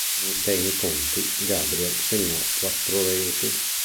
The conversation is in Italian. In sei incontri Gabriel segnò quattro reti.